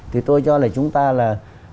thì tôi cho là chúng ta là